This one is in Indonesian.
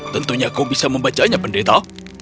tentunya kau bisa membacanya pendeta